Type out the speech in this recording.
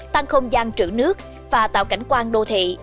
tăng không gian trữ nước và tạo cảnh quan đô thị